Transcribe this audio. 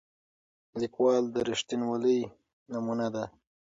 لیکوال د رښتینولۍ نمونه ده.